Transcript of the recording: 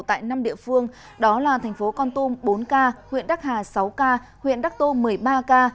tại năm địa phương đó là thành phố con tum bốn ca huyện đắc hà sáu ca huyện đắc tô một mươi ba ca